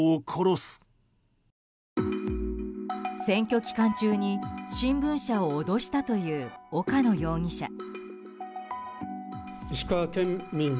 選挙期間中に、新聞社を脅したという岡野容疑者。